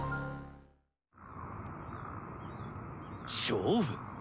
勝負？